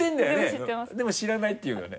でも知らないって言うよね？